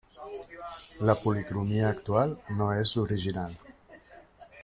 La policromia actual no és l'original.